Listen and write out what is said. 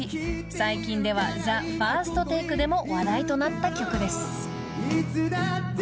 ［最近ではＴＨＥＦＩＲＳＴＴＡＫＥでも話題となった曲です］